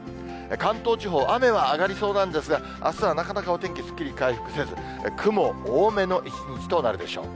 関東地方、雨は上がりそうなんですが、あすはなかなかお天気、すっきり回復せず、雲多めの一日となるでしょう。